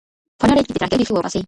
په نړۍ کي د ترهګرۍ ریښې وباسئ.